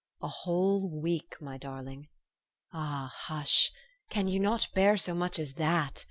'' A whole week, my darling. Ah, hush ! Can you not bear so much as that?